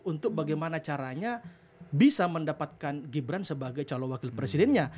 untuk bagaimana caranya bisa mendapatkan gibran sebagai calon wakil presidennya